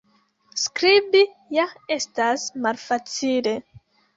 Skribi ja estas malfacile.